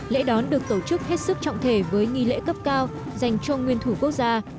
lễ đón được tổ chức hết sức trọng thể với nghi lễ cấp cao dành cho nguyên thủ quốc gia